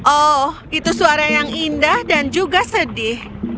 oh itu suara yang indah dan juga sedih